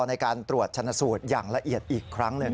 ในการตรวจชนะสูตรอย่างละเอียดอีกครั้งหนึ่ง